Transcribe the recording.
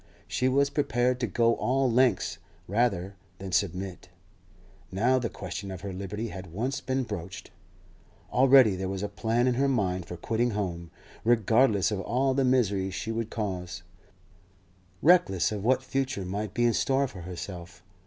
She was prepared to go all lengths rather than submit, now the question of her liberty had once been broached. Already there was a plan in her mind for quitting home, regardless of all the misery she would cause, reckless of what future might be in store for herself.